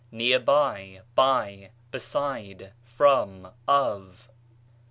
near by, by, beside, from, of.